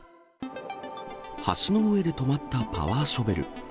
橋の上で止まったパワーショベル。